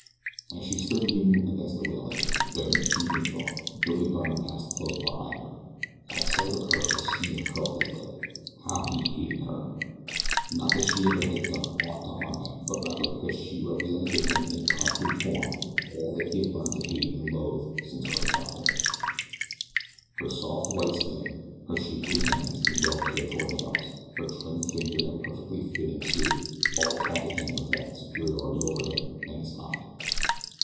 As she stood leaning against the rail, buried deep in thought, Billy Byrne passed close behind her. At sight of her a sneer curled his lip. How he hated her! Not that she ever had done aught to harm him, but rather because she represented to him in concrete form all that he had learned to hate and loathe since early childhood. Her soft, white skin; her shapely hands and well cared for nails; her trim figure and perfectly fitting suit all taunted him with their superiority over him and his kind.